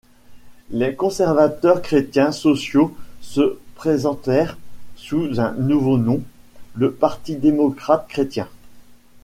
Les Conservateurs chrétiens-sociaux se présentèrent sous un nouveau nom, le Parti démocrate-chrétien.